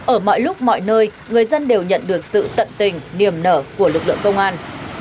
ở mọi lúc mọi nơi người dân đều nhận được sự tận tình niềm nở của lực lượng công an